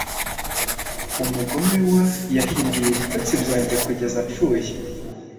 Umugome wa yahinduye ibitotsi byanjye kugeza apfuye!